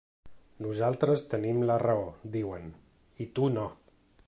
Nosaltres tenim la raó, diuen, i tu no.